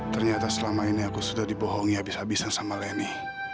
ternyata selama ini aku sudah dibohongi habis habisan sama leni